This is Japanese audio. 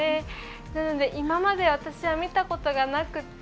なので、今まで私は見たことがなくて。